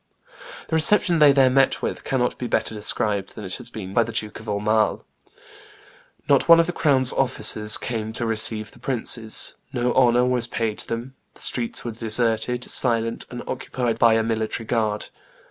The reception they there met with cannot be better described than it has been by the Duke of Aumale: "Not one of the crown's officers came to receive the princes; no honor was paid them; the streets were deserted, silent, and occupied by a military guard.